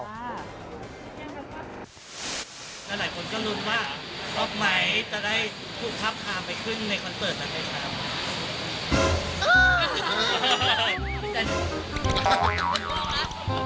แล้วหลายคนก็รู้ว่าอปไมท์จะได้ผู้พับความไปขึ้นในคอนเซิร์ตในใครครับ